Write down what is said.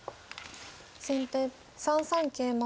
先手３三桂馬。